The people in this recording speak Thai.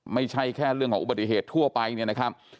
ไม่ใช่แค่เรื่องของอุบัติเหตุทั่วไปเนี่ยนะครับ